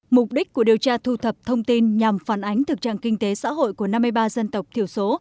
mục đích của điều tra thu thập thông tin nhằm phản ánh thực trạng kinh tế xã hội của năm mươi ba dân tộc thiểu số